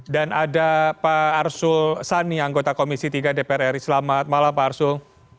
dan ada pak arsul sani anggota komisi tiga dpr selamat malam pak arsul